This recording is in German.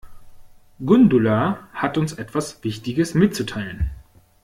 Gundula hat uns etwas wichtiges mitzuteilen.